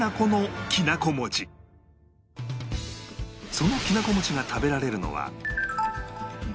そのきなこ餅が食べられるのは岐阜県